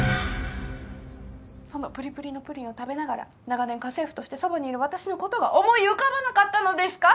そのプリプリのプリンを食べながら長年家政婦としてそばにいる私のことが思い浮かばなかったのですか？